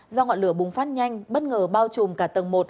do ngọn lửa bùng phát nhanh bất ngờ bao trùm cả tầng một